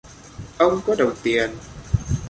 Ông có đồng tiền